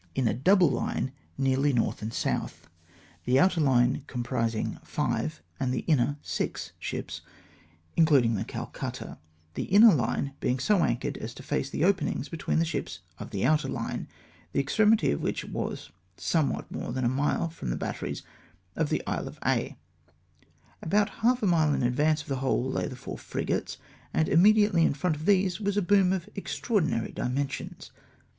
3 in a double line, nearly nortli and south ; the outer hne compiising five, and the inner six ships, including the Calcutta; the inner hne being so anchored as to face the openings between the ships of the outer hne, the extremity of which was somewhat more than a mile from the batteries on the Isle of Aix. About half a mile in advance of the whole lay the four frigates, and immediately in front of these was a boom of extra ordinary dimensions.